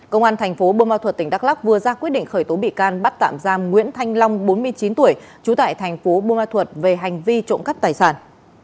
công an thành phố bô ma thuật tỉnh đắk lắc vừa ra quyết định khởi tố bị can bắt tạm giam nguyễn thanh long bốn mươi chín tuổi trú tại thành phố bùa ma thuật về hành vi trộm cắp tài sản